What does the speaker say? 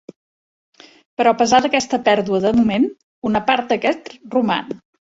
Però a pesar d'aquesta pèrdua de moment, una part d'aquest roman.